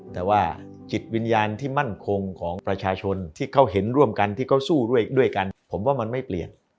แต่ว่าจิตวิญญาณที่มั่นคงของประชาชนที่เขาเห็นร่วมกันที่เขาสู้ด้วยกันผมว่ามันไม่เปลี่ยน